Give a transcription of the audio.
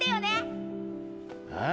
ああ。